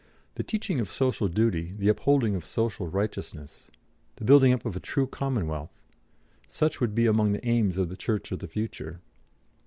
The teaching of social duty, the upholding of social righteousness, the building up of a true commonwealth such would be among the aims of the Church of the future.